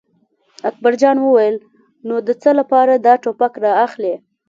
اکبر جان وویل: نو د څه لپاره دا ټوپک را اخلې.